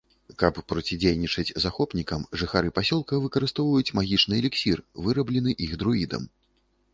Каб процідзейнічаць захопнікам жыхары пасёлка выкарыстоўваюць магічны эліксір, выраблены іх друідам.